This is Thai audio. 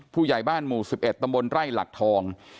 ผู้ใหญ่บ้านหมู่๑๑ตำบลไร่หลักทอง